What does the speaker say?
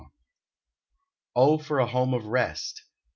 Oh, for a home of rest!